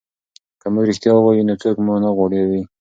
که موږ رښتیا ووایو نو څوک مو نه غولوي.